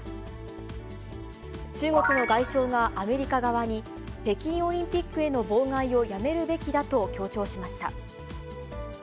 中国の外相がアメリカ側に、北京オリンピックへの妨害をやめるべきだと強調しました。